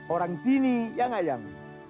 orang sini ya gak yang